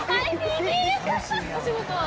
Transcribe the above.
お仕事は？